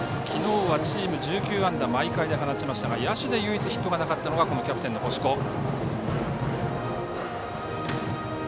きのうはチーム１９安打毎回で放ちましたが野手で唯一ヒットがなかったのがキャプテンの星子。